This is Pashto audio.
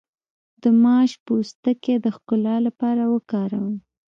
د ماش پوستکی د ښکلا لپاره وکاروئ